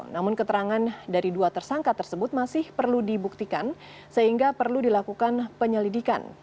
namun keterangan dari dua tersangka tersebut masih perlu dibuktikan sehingga perlu dilakukan penyelidikan